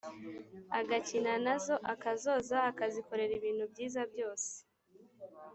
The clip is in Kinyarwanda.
agakina nazo, akazoza, akazikorera ibintu byiza byose